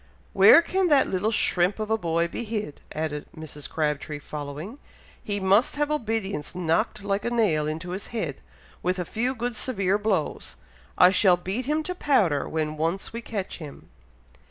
"Where can that little shrimp of a boy be hid?" added Mrs. Crabtree, following. "He must have obedience knocked like a nail into his head, with a few good severe blows. I shall beat him to powder when once we catch him."